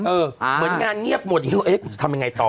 เหมือนงานเงียบหมดเอ๊ะทำยังไงต่อ